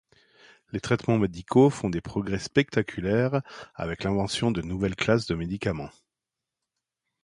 Les traitements médicaux font des progrès spectaculaires avec l'invention de nouvelles classes de médicaments.